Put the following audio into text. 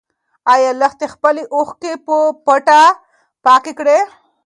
ايا لښتې خپلې اوښکې په پټه پاکې کړې؟